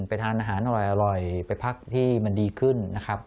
ไปทานอาหารอร่อยไปพักที่มันดีขึ้นนะครับ